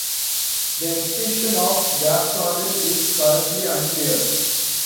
The extinction of "Gastornis" is currently unclear.